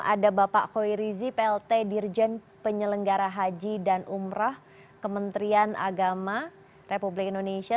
ada bapak khoi rizi plt dirjen penyelenggara haji dan umroh kementerian agama republik indonesia